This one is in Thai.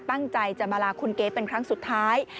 ตั้งใจจะมาลาคุณเก๊เป็นครั้งสุดท้าย